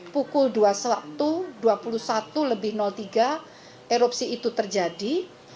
pukul dua puluh satu dua puluh satu lebih tiga erupsi itu terjadi